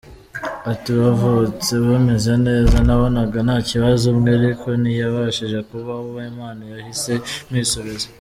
Ati “Bavutse bameze neza, nabonaga nta kibazo, umwe ariko ntiyabashije kubaho, Imana yahise imwisubiza.